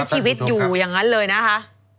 ชีวิตอยู่อย่างนั้นเลยนะคะ